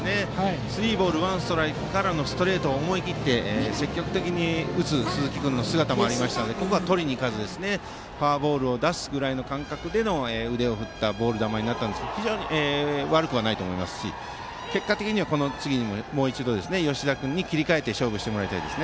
スリーボールワンストライクからのストレートを思い切って積極的に打つ鈴木君の姿もあったのでここはフォアボールを出すくらいの気持ちで腕を振ったボール球になったんですが非常に悪くはないと思いますし結果的に、この次もう一度、吉田君に切り替えて勝負してほしいです。